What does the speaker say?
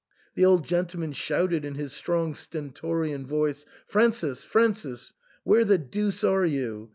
The old gentleman shouted in his strong stentorian voice, "Francis, Francis, where the deuce are you